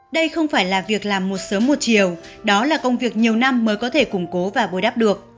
đây không phải là việc làm một sớm một chiều đó là công việc nhiều năm mới có thể củng cố và bồi đắp được